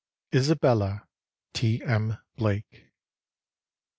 —Isabella T. M. Blake.